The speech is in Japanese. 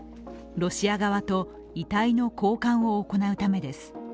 ロシア側と遺体の交換を行うためです。